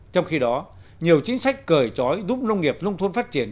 trong khi đó nhiều chính sách cởi trói giúp nông nghiệp nông thôn phát triển